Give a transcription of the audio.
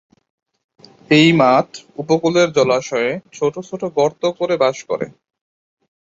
এ মাছ উপকূলের জলাশয়ে ছোট ছোট গর্ত করে বাস করে।